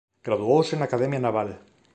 Graduouse na Academia Naval.